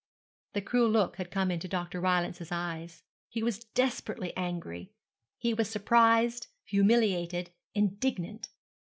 The cruel look had come into Dr. Rylance's eyes. He was desperately angry. He was surprised, humiliated, indignant.